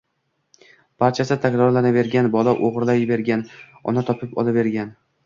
Barchasi takrorlanavergan: bola o‘g‘irlayvergan, ona topib olavergan.